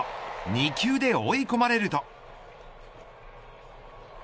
２球で追い込まれると。